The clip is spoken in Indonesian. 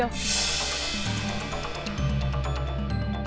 selamat kalian berhasil